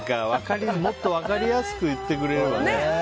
もっと分かりやすく言ってくれればね。